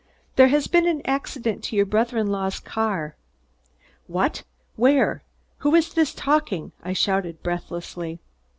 "There has been an accident to your brother in law's car." "What? Where? Who is this talking?" I shouted breathlessly.